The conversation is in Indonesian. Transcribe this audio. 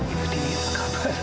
ibu tini apa kabar